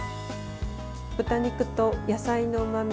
豚肉と野菜のうまみ